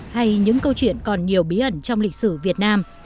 hay những câu chuyện còn nhiều bí ẩn trong lịch sử việt nam